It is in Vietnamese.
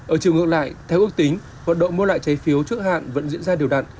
ở chiều ngược lại theo ước tính hoạt động mua lại trái phiếu trước hạn vẫn diễn ra điều đặn